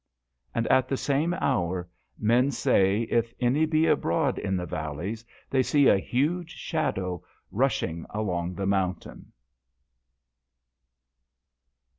And at the same hour men say if any be abroad in the valleys they see a huge shadow rushing along the mountain.